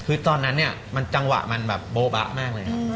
คือตอนนั้นจังหวะมันโบ๊ะมากเลย